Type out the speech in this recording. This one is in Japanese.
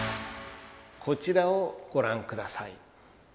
こちらをご覧ください。